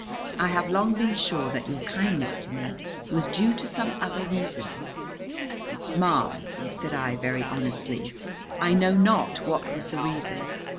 I have long been sure that your kindness to me was due to some other reason." "Ma'am," said I very honestly, "I know not what was the reason.